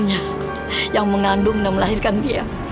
yang mengandung dan melahirkan dia